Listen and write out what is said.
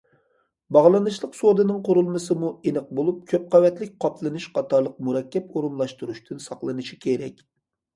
باغلىنىشلىق سودىنىڭ قۇرۇلمىسىمۇ ئېنىق بولۇپ، كۆپ قەۋەتلىك قاپلىنىش قاتارلىق مۇرەككەپ ئورۇنلاشتۇرۇشتىن ساقلىنىشى كېرەك.